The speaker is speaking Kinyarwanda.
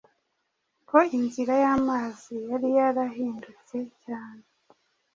Ko inzira yamazi yari yarahindutse cyane